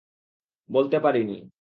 বলতে পারি নি।